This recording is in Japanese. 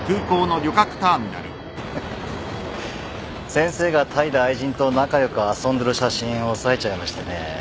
先生がタイで愛人と仲良く遊んでる写真押さえちゃいましてね。